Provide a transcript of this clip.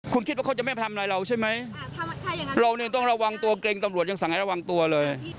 คุณคิดว่าเขาจะไม่ไปทำอะไรเราใช่ไหมเราเนี่ยต้องระวังตัวเกรงตำรวจยังสั่งให้ระวังตัวเลย